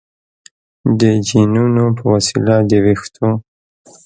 د جینونو په وسیله د ویښتو